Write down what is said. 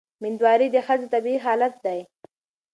مېندواري د ښځې طبیعي حالت دی.